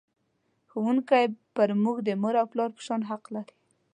ښوونکی پر موږ د مور او پلار په شان حق لري.